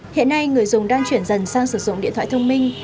hiện nay người dùng đang chuyển dần sang sử dụng điện thoại thông minh